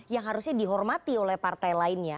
yang harusnya dihormati oleh partai lainnya